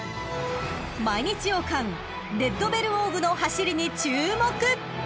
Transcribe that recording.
［毎日王冠レッドベルオーブの走りに注目！］